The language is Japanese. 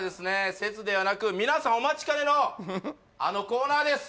説ではなく皆さんお待ちかねのあのコーナーです